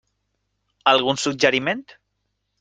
Algun suggeriment?